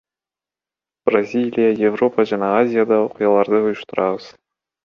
Бразилия, Европа жана Азияда окуяларды уюштурабыз.